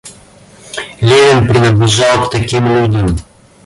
Левин принадлежал к таким людям.